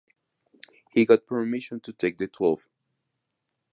He got permission to take the twelve.